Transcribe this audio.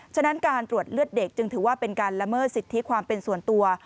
ฉะนั้นการตรวจเลือดเด็กจึงถือว่าเป็นการละเมิดสิทธิความเป็นส่วนตัว